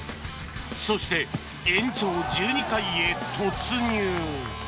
そして延長１２回へ突入